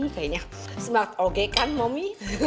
kayaknya smart og kan mami